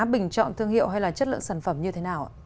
bình chọn thương hiệu hay là chất lượng sản phẩm như thế nào ạ